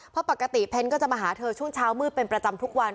เพราะปกติเพ้นก็จะมาหาเธอช่วงเช้ามืดเป็นประจำทุกวัน